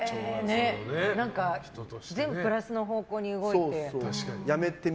全部プラスの方向に動いて。